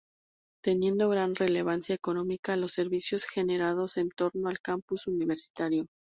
Teniendo gran relevancia económica los servicios generados en torno al campus universitario.